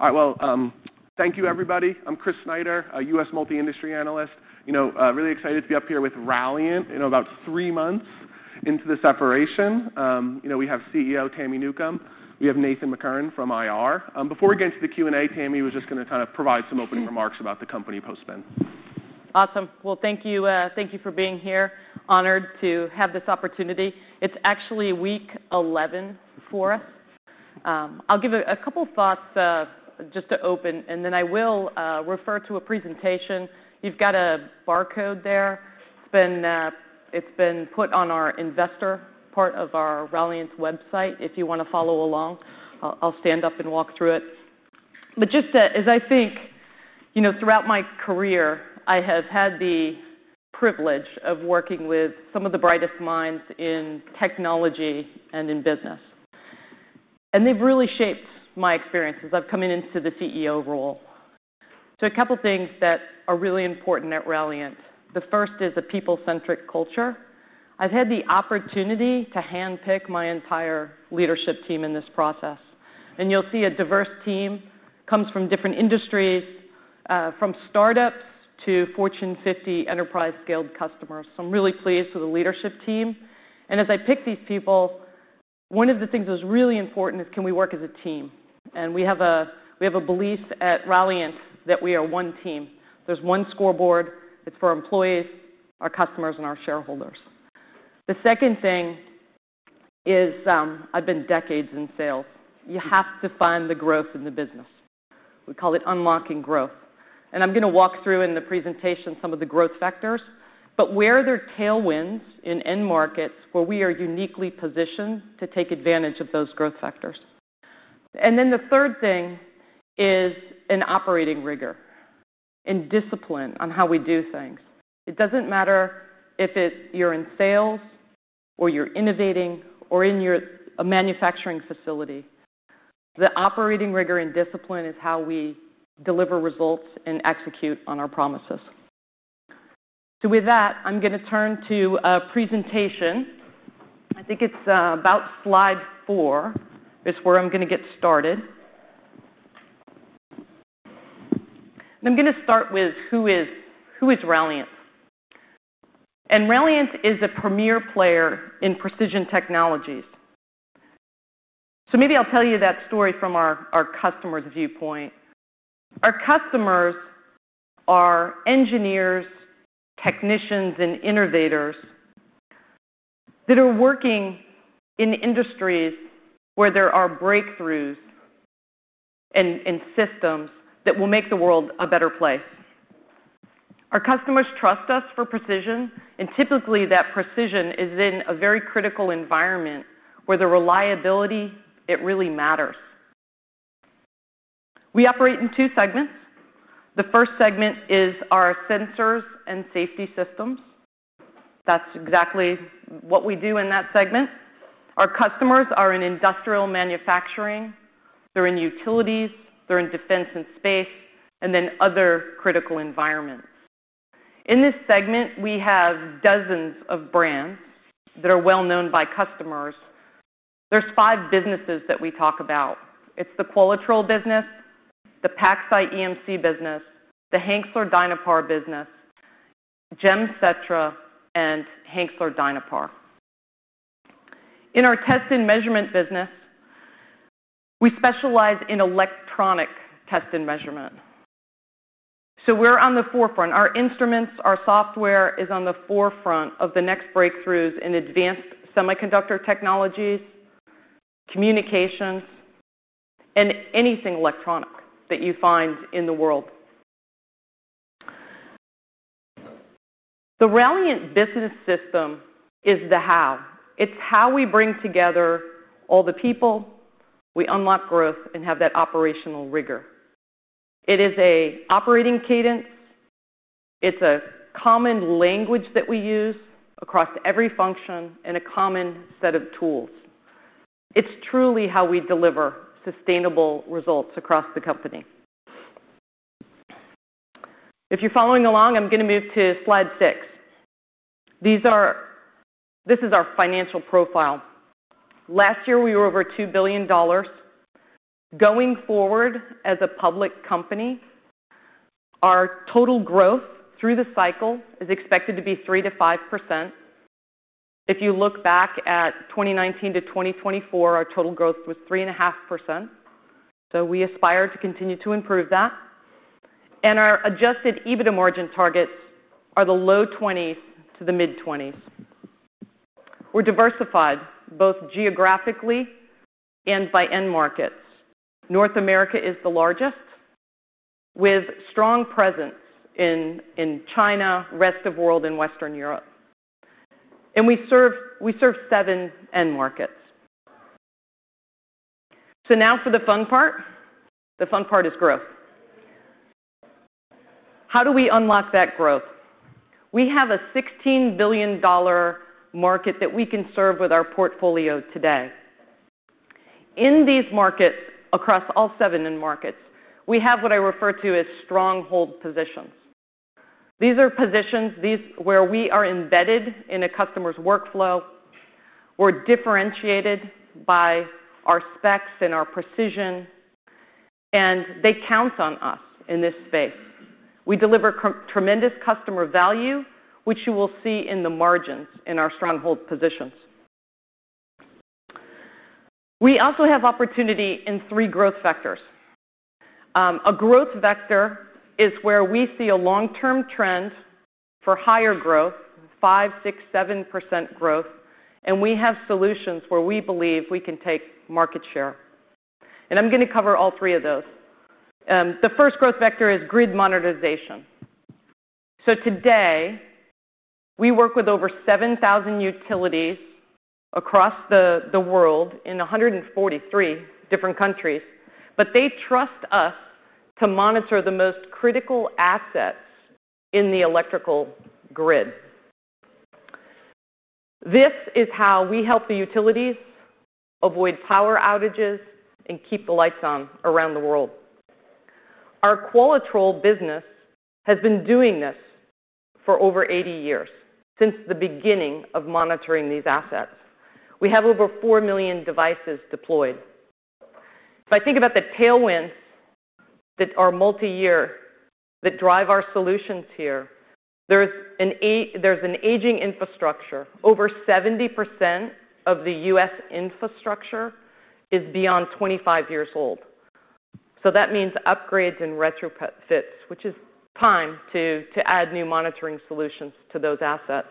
All right. Thank you, everybody. I'm Chris Snyder, a U.S. multi-industry analyst. I'm really excited to be up here with Ralliant. About three months into the separation, we have CEO Tami Newcombe, we have Nathan McCurren from IR. Before we get into the Q&A, Tami was just going to kind of provide some opening remarks about the company post-spin. Awesome. Thank you. Thank you for being here. Honored to have this opportunity. It's actually week 11 for us. I'll give a couple of thoughts just to open, and then I will refer to a presentation. You've got a barcode there. It's been put on our investor part of our Ralliant website. If you want to follow along, I'll stand up and walk through it. Just as I think, you know, throughout my career, I have had the privilege of working with some of the brightest minds in technology and in business. They've really shaped my experience as I've come into the CEO role. A couple of things that are really important at Ralliant. The first is a people-centric culture. I've had the opportunity to handpick my entire leadership team in this process. You'll see a diverse team comes from different industries, from startups to Fortune 50 enterprise-scaled customers. I'm really pleased with the leadership team. As I pick these people, one of the things that's really important is can we work as a team? We have a belief at Ralliant that we are one team. There's one scoreboard that's for employees, our customers, and our shareholders. The second thing is I've been decades in sales. You have to find the growth in the business. We call it unlocking growth. I'm going to walk through in the presentation some of the growth factors. Where are there tailwinds in end markets where we are uniquely positioned to take advantage of those growth factors? The third thing is an operating rigor and discipline on how we do things. It doesn't matter if you're in sales or you're innovating or in a manufacturing facility. The operating rigor and discipline is how we deliver results and execute on our promises. With that, I'm going to turn to a presentation. I think it's about slide four. It's where I'm going to get started. I'm going to start with who is Ralliant. Ralliant is a premier player in precision technologies. Maybe I'll tell you that story from our customer's viewpoint. Our customers are engineers, technicians, and innovators that are working in industries where there are breakthroughs and systems that will make the world a better place. Our customers trust us for precision. Typically, that precision is in a very critical environment where the reliability really matters. We operate in two segments. The first segment is our sensors and safety systems. That's exactly what we do in that segment. Our customers are in industrial manufacturing. They're in utilities. They're in defense and space, and then other critical environments. In this segment, we have dozens of brands that are well known by customers. There's five businesses that we talk about. It's the Qualitrol business, the PacSci EMC business, the Hankscraft Dynapar business, GemCetra, and Hankscraft Dynapar. In our test and measurement business, we specialize in electronic test and measurement. We're on the forefront. Our instruments, our software is on the forefront of the next breakthroughs in advanced semiconductor technologies, communications, and anything electronic that you find in the world. The Ralliant Business System is the how. It's how we bring together all the people, we unlock growth, and have that operational rigor. It is an operating cadence. It's a common language that we use across every function and a common set of tools. It's truly how we deliver sustainable results across the company. If you're following along, I'm going to move to slide six. This is our financial profile. Last year, we were over $2 billion. Going forward as a public company, our total growth through the cycle is expected to be 3% to 5%. If you look back at 2019 to 2024, our total growth was 3.5%. We aspire to continue to improve that. Our adjusted EBITDA margin targets are the low 20s to the mid 20s. We're diversified both geographically and by end markets. North America is the largest with strong presence in China, the rest of the world, and Western Europe. We serve seven end markets. Now for the fun part. The fun part is growth. How do we unlock that growth? We have a $16 billion market that we can serve with our portfolio today. In these markets, across all seven end markets, we have what I refer to as stronghold positions. These are positions where we are embedded in a customer's workflow. We're differentiated by our specs and our precision. They count on us in this space. We deliver tremendous customer value, which you will see in the margins in our stronghold positions. We also have opportunity in three growth vectors. A growth vector is where we see a long-term trend for higher growth, 5%, 6%, 7% growth. We have solutions where we believe we can take market share. I'm going to cover all three of those. The first growth vector is grid modernization. Today, we work with over 7,000 utilities across the world in 143 different countries. They trust us to monitor the most critical assets in the electrical grid. This is how we help the utilities avoid power outages and keep the lights on around the world. Our Qualitrol business has been doing this for over 80 years, since the beginning of monitoring these assets. We have over 4 million devices deployed. If I think about the tailwinds that are multi-year that drive our solutions here, there's an aging infrastructure. Over 70% of the U.S. infrastructure is beyond 25 years old. That means upgrades and retrofits, which is time to add new monitoring solutions to those assets.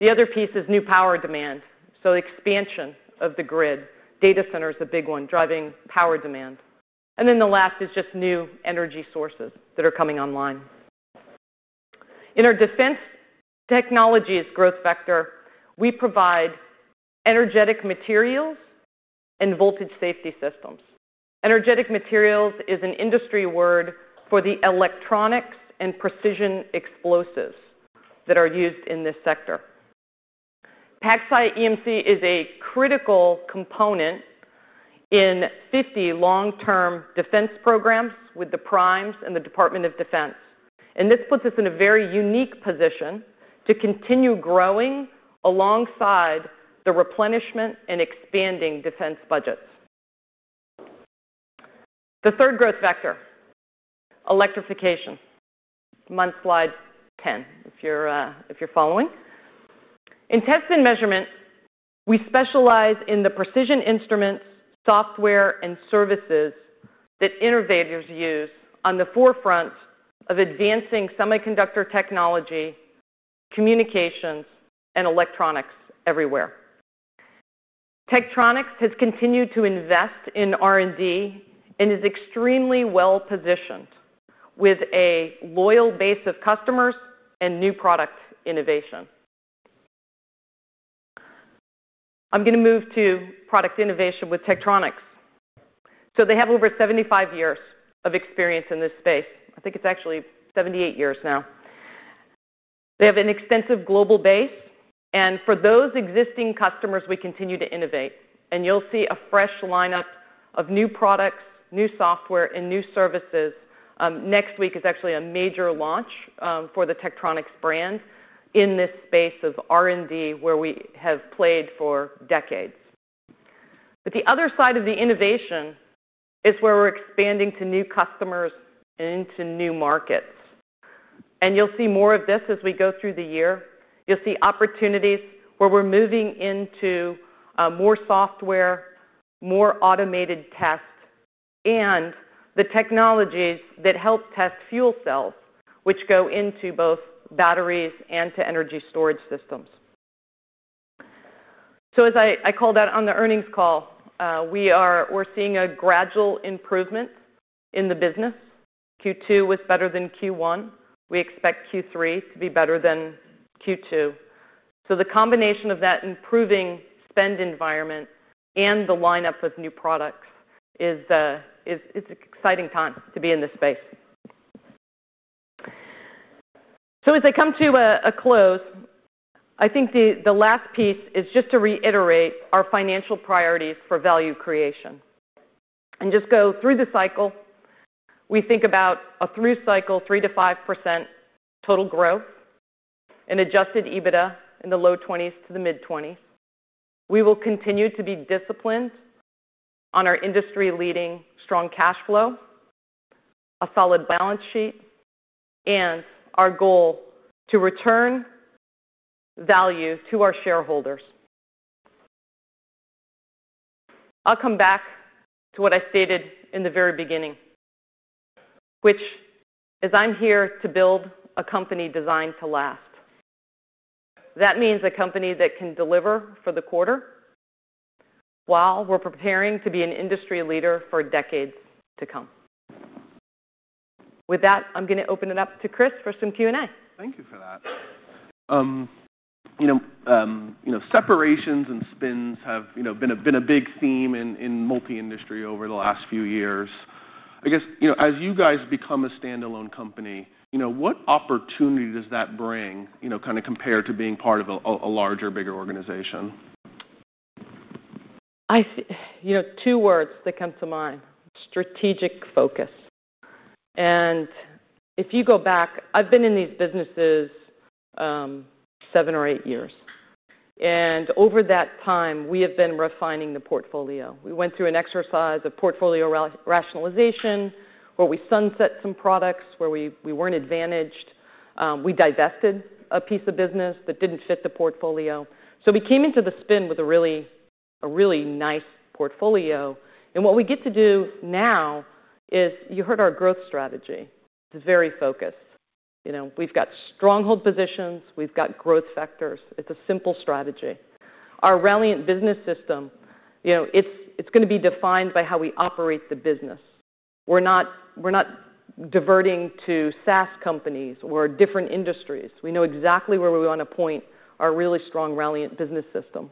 The other piece is new power demand. The expansion of the grid, data centers is a big one driving power demand. The last is just new energy sources that are coming online. In our defense technologies growth vector, we provide energetic materials and voltage safety systems. Energetic materials is an industry word for the electronics and precision explosives that are used in this sector. PacSci EMC is a critical component in 50 long-term defense programs with the primes and the Department of Defense. This puts us in a very unique position to continue growing alongside the replenishment and expanding defense budgets. The third growth vector, electrification. I'm on slide 10 if you're following. In test and measurement, we specialize in the precision instruments, software, and services that innovators use on the forefront of advancing semiconductor technology, communications, and electronics everywhere. Tektronix has continued to invest in R&D and is extremely well positioned with a loyal base of customers and new product innovation. I'm going to move to product innovation with Tektronix. They have over 75 years of experience in this space. I think it's actually 78 years now. They have an extensive global base. For those existing customers, we continue to innovate. You'll see a fresh lineup of new products, new software, and new services. Next week is actually a major launch for the Tektronix brand in this space of R&D where we have played for decades. The other side of the innovation is where we're expanding to new customers and into new markets. You'll see more of this as we go through the year. You'll see opportunities where we're moving into more software, more automated test, and the technologies that help test fuel cells, which go into both batteries and to energy storage systems. As I called out on the earnings call, we're seeing a gradual improvement in the business. Q2 was better than Q1. We expect Q3 to be better than Q2. The combination of that improving spend environment and the lineup of new products is an exciting time to be in this space. As I come to a close, I think the last piece is just to reiterate our financial priorities for value creation. To go through the cycle, we think about a through cycle 3% to 5% total growth and adjusted EBITDA in the low 20% to the mid 20%. We will continue to be disciplined on our industry-leading strong cash flow, a solid balance sheet, and our goal to return value to our shareholders. I'll come back to what I stated in the very beginning, which is I'm here to build a company designed to last. That means a company that can deliver for the quarter while we're preparing to be an industry leader for decades to come. With that, I'm going to open it up to Chris for some Q&A. Thank you for that. Separations and spins have been a big theme in multi-industry over the last few years. As you guys become a standalone company, what opportunity does that bring compared to being part of a larger, bigger organization? You know, two words that come to mind: strategic focus. If you go back, I've been in these businesses seven or eight years. Over that time, we have been refining the portfolio. We went through an exercise of portfolio rationalization where we sunset some products where we weren't advantaged. We divested a piece of business that didn't fit the portfolio. We came into the spin with a really nice portfolio. What we get to do now is you heard our growth strategy. It's very focused. We've got stronghold positions. We've got growth factors. It's a simple strategy. Our Ralliant Business System, you know, it's going to be defined by how we operate the business. We're not diverting to SaaS companies or different industries. We know exactly where we want to point our really strong Ralliant Business System.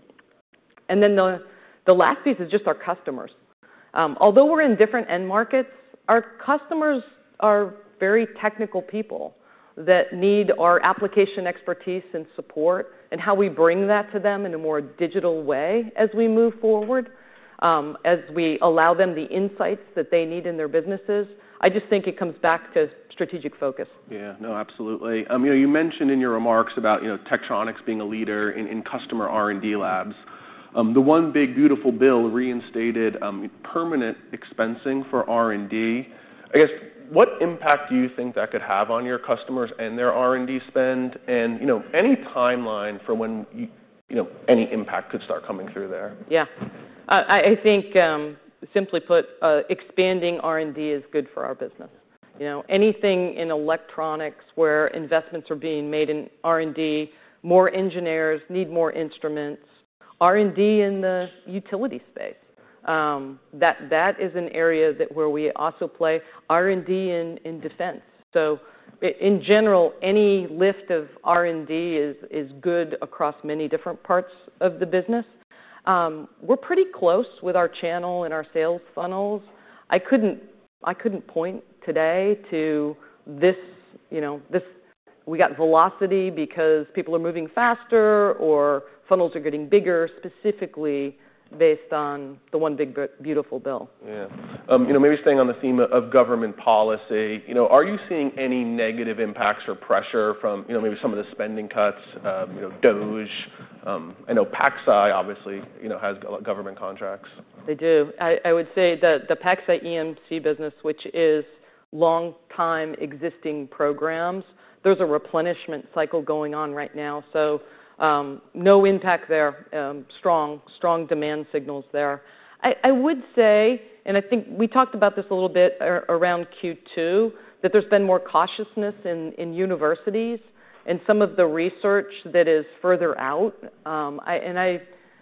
The last piece is just our customers. Although we're in different end markets, our customers are very technical people that need our application expertise and support and how we bring that to them in a more digital way as we move forward, as we allow them the insights that they need in their businesses. I just think it comes back to strategic focus. Yeah, no, absolutely. You know, you mentioned in your remarks about Tektronix being a leader in customer R&D labs. The one big bill reinstated permanent expensing for R&D. I guess, what impact do you think that could have on your customers and their R&D spend, and, you know, any timeline for when, you know, any impact could start coming through there? Yeah, I think simply put, expanding R&D is good for our business. You know, anything in electronics where investments are being made in R&D, more engineers need more instruments. R&D in the utility space, that is an area where we also play. R&D in defense. In general, any lift of R&D is good across many different parts of the business. We're pretty close with our channel and our sales funnels. I couldn't point today to this, you know, we got velocity because people are moving faster or funnels are getting bigger specifically based on the one big beautiful bill. Yeah. Maybe staying on the theme of government policy, are you seeing any negative impacts or pressure from maybe some of the spending cuts, you know, DOD? I know PacSci EMC, obviously, has government contracts. They do. I would say that the PacSci EMC business, which is long-time existing programs, there's a replenishment cycle going on right now. No impact there. Strong demand signals there. I would say, I think we talked about this a little bit around Q2, that there's been more cautiousness in universities and some of the research that is further out.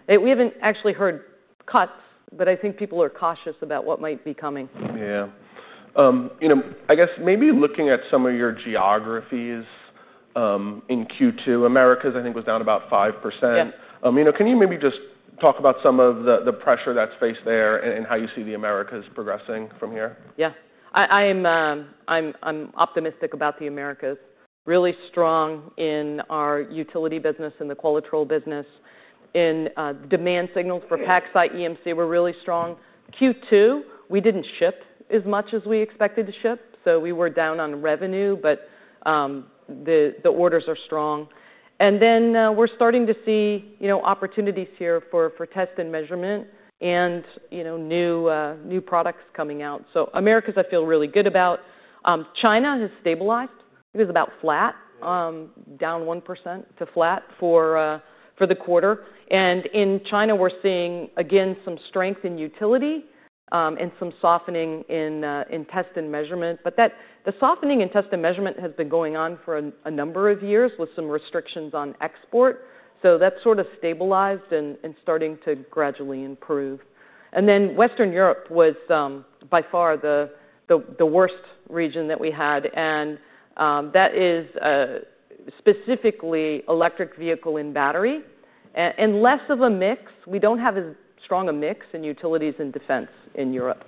We haven't actually heard cuts, but I think people are cautious about what might be coming. Yeah. I guess maybe looking at some of your geographies in Q2, Americas, I think, was down about 5%. Can you maybe just talk about some of the pressure that's faced there and how you see the Americas progressing from here? Yeah, I'm optimistic about the Americas. Really strong in our utility business and the Qualitrol business. In demand signals for PacSci EMC, we're really strong. Q2, we didn't ship as much as we expected to ship. We were down on revenue, but the orders are strong. We're starting to see opportunities here for test and measurement and new products coming out. Americas, I feel really good about. China has stabilized. It was about flat, down 1% to flat for the quarter. In China, we're seeing again some strength in utility and some softening in test and measurement. The softening in test and measurement has been going on for a number of years with some restrictions on export. That's sort of stabilized and starting to gradually improve. Western Europe was by far the worst region that we had. That is specifically electric vehicle and battery. We don't have as strong a mix in utilities and defense in Europe.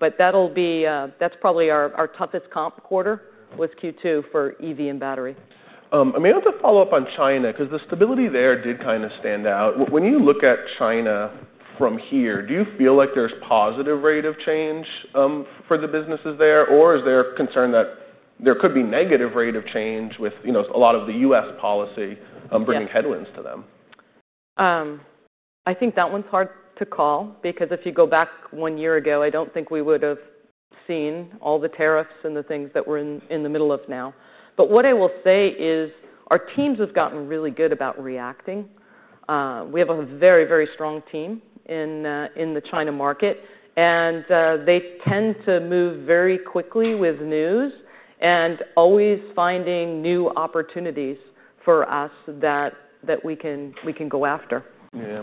That's probably our toughest comp quarter was Q2 for EV and battery. I mean, I want to follow up on China because the stability there did kind of stand out. When you look at China from here, do you feel like there's a positive rate of change for the businesses there, or is there a concern that there could be a negative rate of change with a lot of the U.S. policy bringing headwinds to them? I think that one's hard to call because if you go back one year ago, I don't think we would have seen all the tariffs and the things that we're in the middle of now. What I will say is our teams have gotten really good about reacting. We have a very, very strong team in the China market. They tend to move very quickly with news and always finding new opportunities for us that we can go after. Yeah.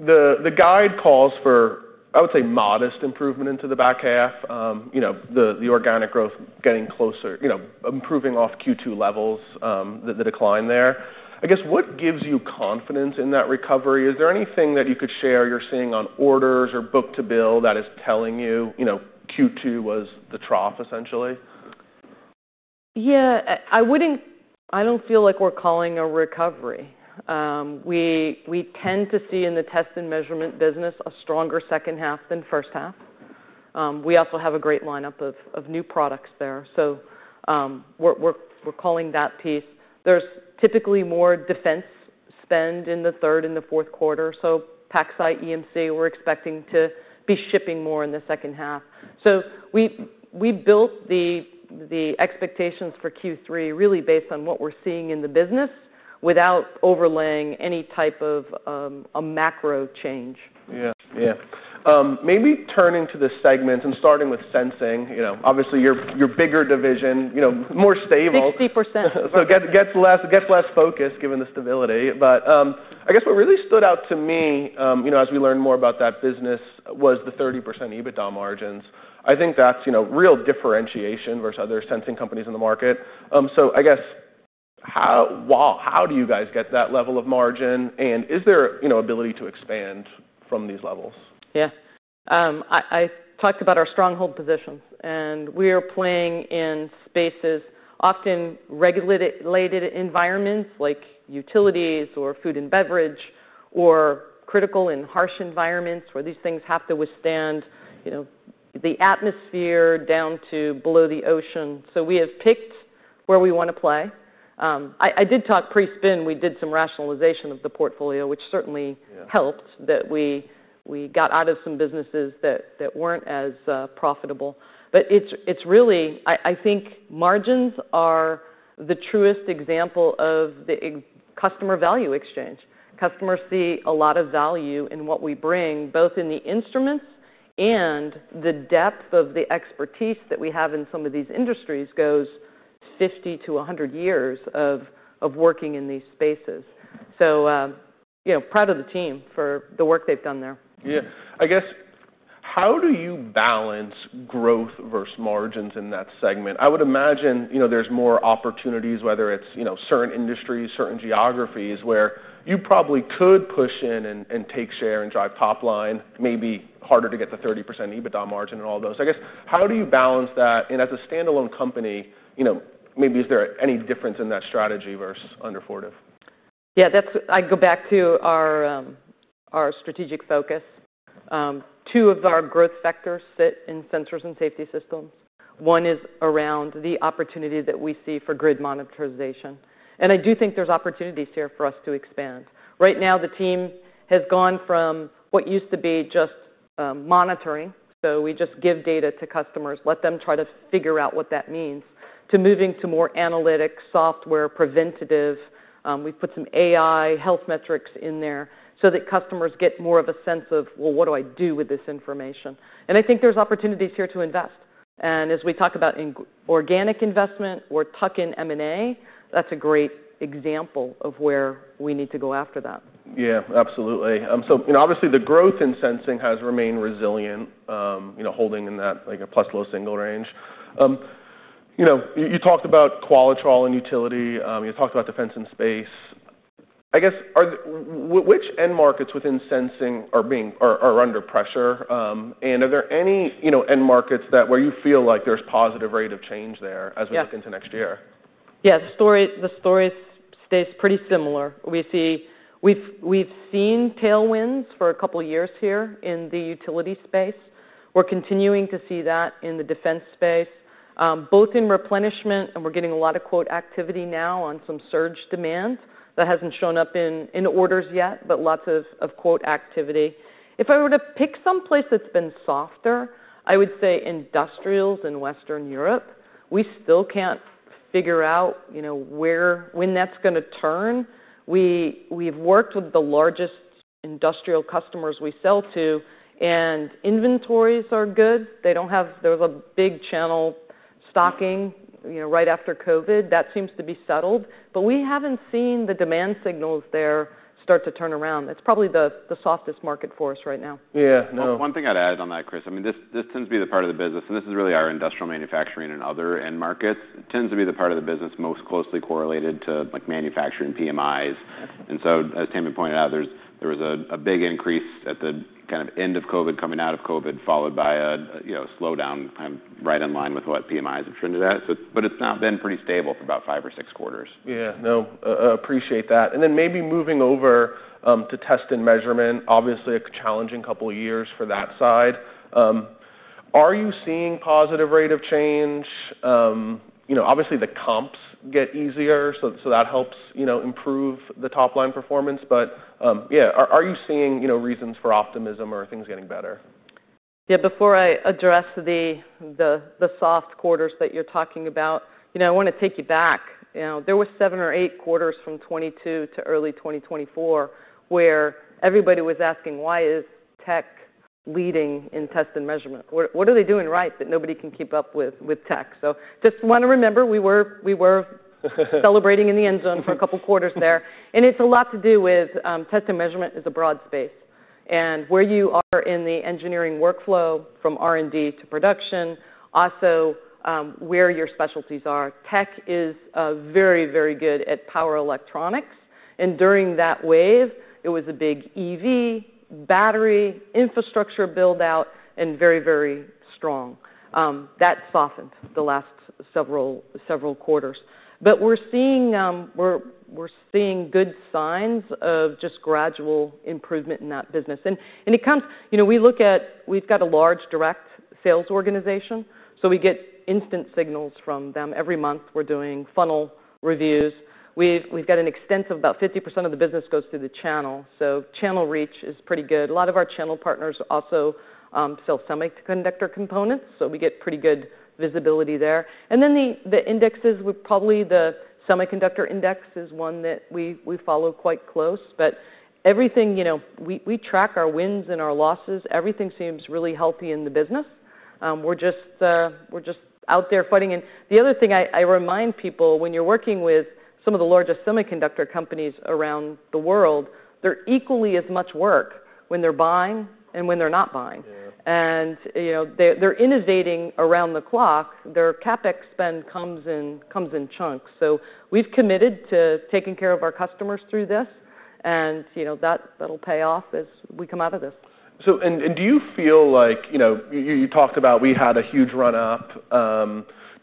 The guide calls for, I would say, modest improvement into the back half. The organic growth getting closer, improving off Q2 levels, the decline there. I guess, what gives you confidence in that recovery? Is there anything that you could share you're seeing on orders or book to bill that is telling you Q2 was the trough, essentially? Yeah, I wouldn't, I don't feel like we're calling a recovery. We tend to see in the test and measurement business a stronger second half than first half. We also have a great lineup of new products there. We're calling that piece. There's typically more defense spend in the third and the fourth quarter. PacSci EMC, we're expecting to be shipping more in the second half. We built the expectations for Q3 really based on what we're seeing in the business without overlaying any type of a macro change. Maybe turning to the segments and starting with sensing, you know, obviously your bigger division, you know, more stable. 60%. It gets less focused given the stability. What really stood out to me, as we learned more about that business, was the 30% adjusted EBITDA margins. I think that's real differentiation versus other sensing companies in the market. Wow, how do you guys get that level of margin? Is there ability to expand from these levels? Yeah. I talked about our stronghold positions. We are playing in spaces, often regulated environments like utilities or food and beverage, or critical and harsh environments where these things have to withstand, you know, the atmosphere down to below the ocean. We have picked where we want to play. I did talk pre-spin, we did some rationalization of the portfolio, which certainly helped that we got out of some businesses that weren't as profitable. It's really, I think margins are the truest example of the customer value exchange. Customers see a lot of value in what we bring, both in the instruments and the depth of the expertise that we have in some of these industries goes 50 to 100 years of working in these spaces. Proud of the team for the work they've done there. Yeah. I guess, how do you balance growth versus margins in that segment? I would imagine there's more opportunities, whether it's certain industries, certain geographies where you probably could push in and take share and drive top line, maybe harder to get the 30% EBITDA margin in all those. I guess, how do you balance that? As a standalone company, maybe is there any difference in that strategy versus under Fortive? Yeah, that's, I go back to our strategic focus. Two of our growth factors sit in sensors and safety systems. One is around the opportunity that we see for grid modernization. I do think there's opportunities here for us to expand. Right now, the team has gone from what used to be just monitoring. We just give data to customers, let them try to figure out what that means to moving to more analytics, software, preventative. We put some AI health metrics in there so that customers get more of a sense of, what do I do with this information? I think there's opportunities here to invest. As we talk about organic investment or tuck-in M&A, that's a great example of where we need to go after that. Yeah, absolutely. The growth in sensing has remained resilient, holding in that like a plus low single range. You talked about Qualitrol and utility. You talked about defense and space. I guess, which end markets within sensing are under pressure? Are there any end markets where you feel like there's a positive rate of change there as we look into next year? Yeah, the story stays pretty similar. We've seen tailwinds for a couple of years here in the utility space. We're continuing to see that in the defense space, both in replenishment. We're getting a lot of quote activity now on some surge demand that hasn't shown up in orders yet, but lots of quote activity. If I were to pick someplace that's been softer, I would say industrials in Western Europe. We still can't figure out, you know, when that's going to turn. We've worked with the largest industrial customers we sell to, and inventories are good. They don't have, there was a big channel stocking right after COVID. That seems to be settled. We haven't seen the demand signals there start to turn around. It's probably the softest market for us right now. Yeah, no. One thing I'd add on that, Chris, this tends to be the part of the business, and this is really our industrial manufacturing and other end markets, tends to be the part of the business most closely correlated to manufacturing PMIs. As Tami pointed out, there was a big increase at the end of COVID, coming out of COVID, followed by a slowdown right in line with what PMIs have trended at. It's now been pretty stable for about five or six quarters. Yeah, no, I appreciate that. Maybe moving over to test and measurement, obviously a challenging couple of years for that side. Are you seeing a positive rate of change? Obviously the comps get easier, so that helps improve the top line performance. Are you seeing reasons for optimism or things getting better? Before I address the soft quarters that you're talking about, I want to take you back. There were seven or eight quarters from 2022 to early 2024 where everybody was asking, why is Tektronix leading in test and measurement? What are they doing right that nobody can keep up with Tektronix? I just want to remember, we were celebrating in the end zone for a couple of quarters there. It's a lot to do with test and measurement being a broad space. Where you are in the engineering workflow from R&D to production, also where your specialties are, Tektronix is very, very good at power electronics. During that wave, it was a big EV, battery, infrastructure buildout, and very, very strong. That softened the last several quarters. We're seeing good signs of just gradual improvement in that business. We look at it, we've got a large direct sales organization, so we get instant signals from them every month. We're doing funnel reviews. About 50% of the business goes through the channel, so channel reach is pretty good. A lot of our channel partners also sell semiconductor components, so we get pretty good visibility there. The indexes, we're probably—the semiconductor index is one that we follow quite close. We track our wins and our losses. Everything seems really healthy in the business. We're just out there fighting. The other thing I remind people, when you're working with some of the largest semiconductor companies around the world, they're equally as much work when they're buying and when they're not buying. They're innovating around the clock. Their CapEx spend comes in chunks. We've committed to taking care of our customers through this, and that'll pay off as we come out of this. Do you feel like, you know, you talked about we had a huge run-up.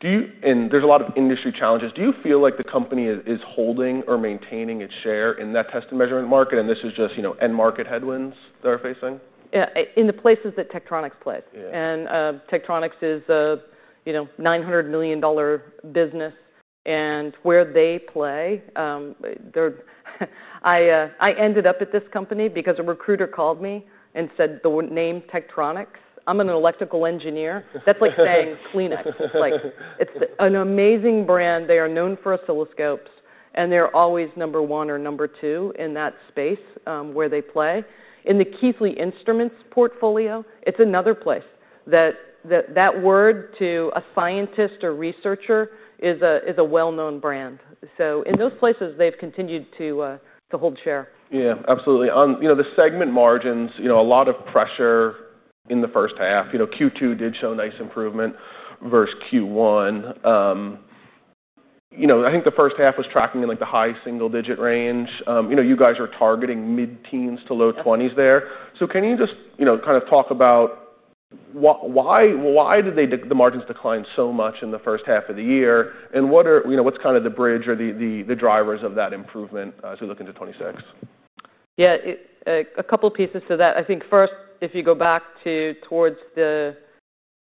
There's a lot of industry challenges. Do you feel like the company is holding or maintaining its share in that test and measurement market? This is just, you know, end market headwinds that are facing? Yeah, in the places that Tektronix plays. Tektronix is a $900 million business. Where they play, I ended up at this company because a recruiter called me and said the name Tektronix. I'm an electrical engineer. That's like saying Kleenex. It's an amazing brand. They are known for oscilloscopes, and they're always number one or number two in that space where they play. In the Keithley Instruments portfolio, it's another place. That word to a scientist or researcher is a well-known brand. In those places, they've continued to hold share. Yeah, absolutely. On the segment margins, a lot of pressure in the first half. Q2 did show nice improvement versus Q1. I think the first half was tracking in like the high single-digit range. You guys are targeting mid-teens to low 20s there. Can you just talk about why did the margins decline so much in the first half of the year? What are the bridge or the drivers of that improvement as we look into 2026? Yeah, a couple of pieces to that. I think first, if you go back to towards the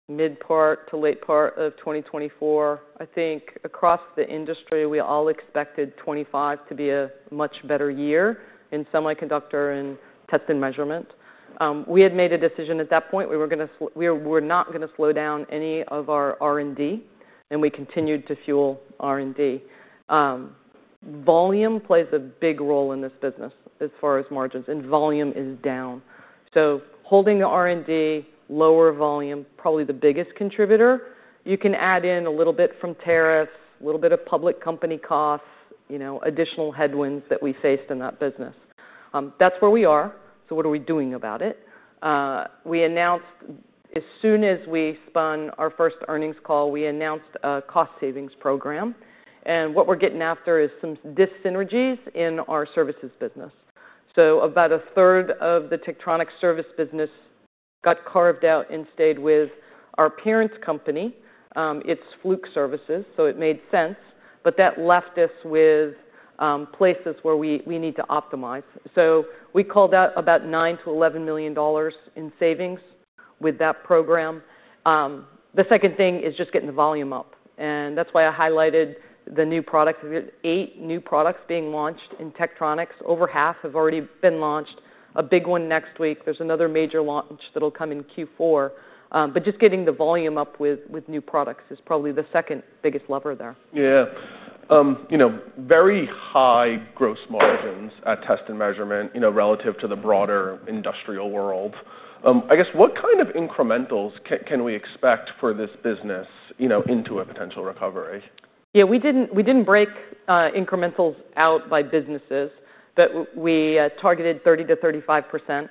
mid-part to late part of 2024, I think across the industry, we all expected 2025 to be a much better year in semiconductor and test and measurement. We had made a decision at that point. We were not going to slow down any of our R&D. We continued to fuel R&D. Volume plays a big role in this business as far as margins, and volume is down. Holding the R&D, lower volume, probably the biggest contributor. You can add in a little bit from tariffs, a little bit of public company costs, additional headwinds that we faced in that business. That's where we are. What are we doing about it? We announced as soon as we spun our first earnings call, we announced a cost savings program. What we're getting after is some dyssynergies in our services business. About a third of the Tektronix service business got carved out and stayed with our parent company. It's Fluke Services. It made sense, but that left us with places where we need to optimize. We called out about $9 to $11 million in savings with that program. The second thing is just getting the volume up, and that's why I highlighted the new product. There are eight new products being launched in Tektronix. Over half have already been launched. A big one next week. There's another major launch that'll come in Q4. Just getting the volume up with new products is probably the second biggest lever there. Yeah. You know, very high gross margins at test and measurement, you know, relative to the broader industrial world. I guess, what kind of incrementals can we expect for this business into a potential recovery? Yeah, we didn't break incrementals out by businesses. We targeted 30% to 35%.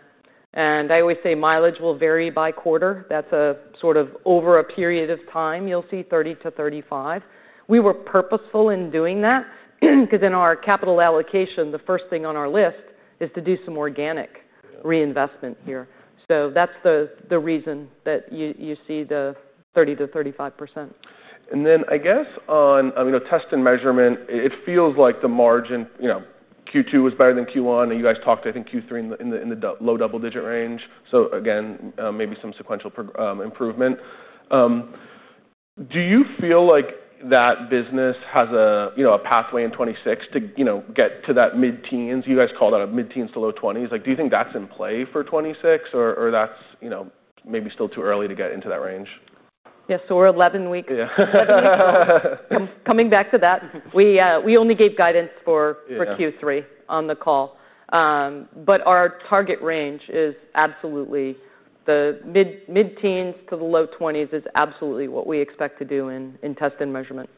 I always say mileage will vary by quarter. That's a sort of over a period of time, you'll see 30% to 35%. We were purposeful in doing that because in our capital allocation, the first thing on our list is to do some organic reinvestment here. That's the reason that you see the 30% to 35%. On test and measurement, it feels like the margin in Q2 was better than Q1. You guys talked Q3 in the low double-digit range, maybe some sequential improvement. Do you feel like that business has a pathway in 2026 to get to that mid-teens? You guys called out a mid-teens to low 20s. Do you think that's in play for 2026 or is that maybe still too early to get into that range? Yeah, so we're 11 weeks. Coming back to that, we only gave guidance for Q3 on the call. Our target range is absolutely the mid-teens to the low 20s, which is absolutely what we expect to do in test and measurement.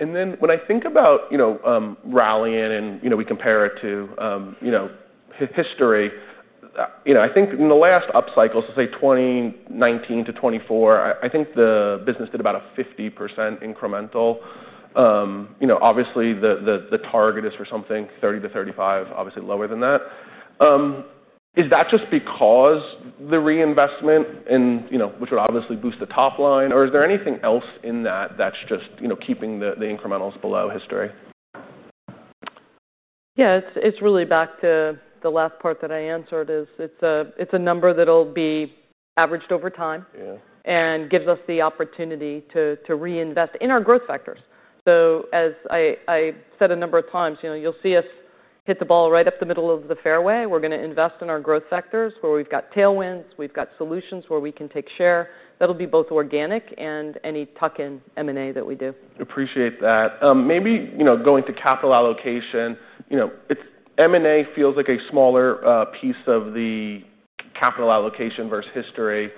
When I think about Ralliant and compare it to history, I think in the last up cycle, so say 2019 to 2024, the business did about a 50% incremental. Obviously, the target is for something 30% to 35%, which is lower than that. Is that just because the reinvestment, which would obviously boost the top line, or is there anything else in that that's keeping the incrementals below history? Yeah, it's really back to the last part that I answered. It's a number that'll be averaged over time and gives us the opportunity to reinvest in our growth factors. As I said a number of times, you'll see us hit the ball right up the middle of the fairway. We're going to invest in our growth factors where we've got tailwinds. We've got solutions where we can take share. That'll be both organic and any tuck-in M&A that we do. Appreciate that. Maybe, you know, going to capital allocation, M&A feels like a smaller piece of the capital allocation versus history.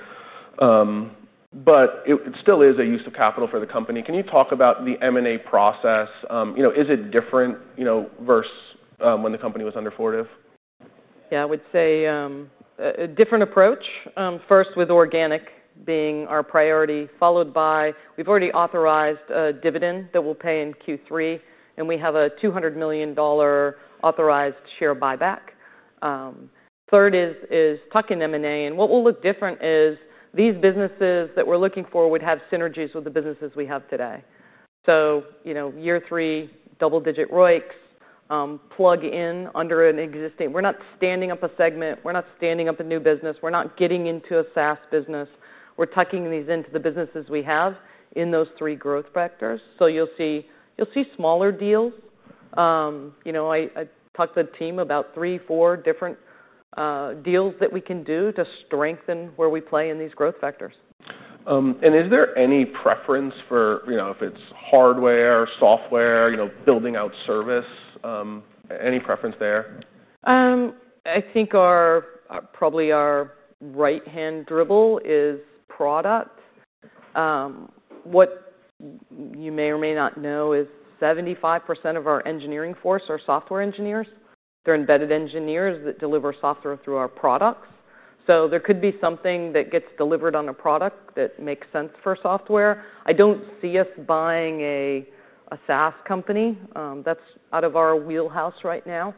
It still is a use of capital for the company. Can you talk about the M&A process? Is it different versus when the company was under $40 million? Yeah, I would say a different approach. First, with organic being our priority, followed by we've already authorized a dividend that we'll pay in Q3. We have a $200 million authorized share buyback. Third is tuck-in M&A. What will look different is these businesses that we're looking for would have synergies with the businesses we have today. Year three, double-digit ROICs, plug in under an existing, we're not standing up a segment. We're not standing up a new business. We're not getting into a SaaS business. We're tucking these into the businesses we have in those three growth vectors. You'll see smaller deals. I talked to the team about three, four different deals that we can do to strengthen where we play in these growth vectors. Is there any preference for, you know, if it's hardware, software, you know, building out service, any preference there? I think probably our right-hand dribble is product. What you may or may not know is 75% of our engineering force are software engineers. They're embedded engineers that deliver software through our products. There could be something that gets delivered on a product that makes sense for software. I don't see us buying a SaaS company. That's out of our wheelhouse right now.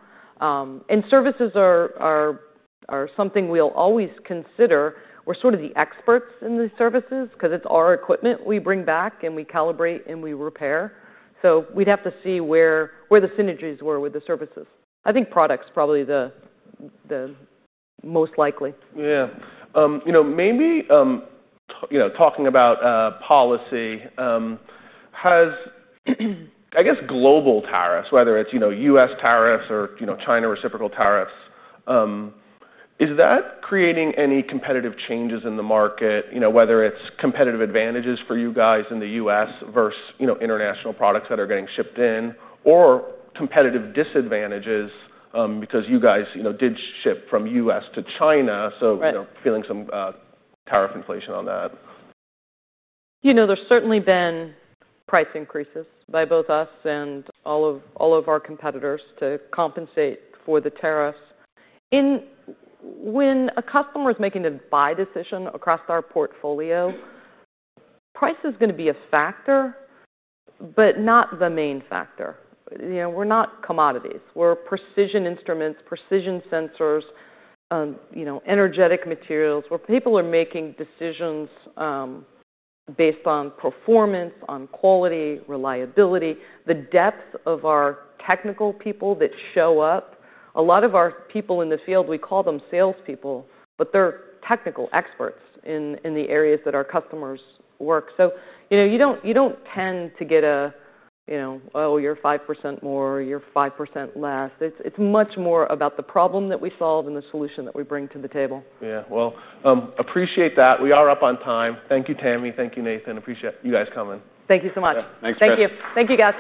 Services are something we'll always consider. We're sort of the experts in the services because it's our equipment we bring back and we calibrate and we repair. We'd have to see where the synergies were with the services. I think product's probably the most likely. Yeah. Maybe, talking about policy, has, I guess, global tariffs, whether it's U.S. tariffs or China reciprocal tariffs, is that creating any competitive changes in the market, whether it's competitive advantages for you guys in the U.S. versus international products that are getting shipped in or competitive disadvantages because you guys did ship from the U.S. to China, feeling some tariff inflation on that. There's certainly been price increases by both us and all of our competitors to compensate for the tariffs. When a customer is making a buy decision across our portfolio, price is going to be a factor, but not the main factor. We're not commodities. We're precision instruments, precision sensors, energetic materials. People are making decisions based on performance, on quality, reliability, the depth of our technical people that show up. A lot of our people in the field, we call them salespeople, but they're technical experts in the areas that our customers work. You don't tend to get a, oh, you're 5% more, you're 5% less. It's much more about the problem that we solve and the solution that we bring to the table. Yeah, appreciate that. We are up on time. Thank you, Tami. Thank you, Nathan. Appreciate you guys coming. Thank you so much. Thanks, guys. Thank you.